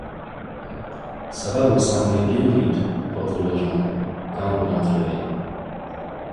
Ça va vous sembler bien vide, votre logement, quand vous rentrerez.